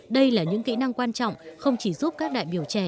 đây là những kỹ năng quan trọng không chỉ giúp các đại biểu trẻ